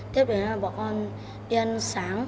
tiếp đến là bọn con đi ăn sáng